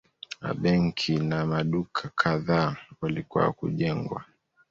A benki na maduka kadhaa walikuwa kujengwa.